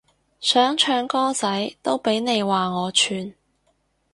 想唱首歌仔都俾你話我串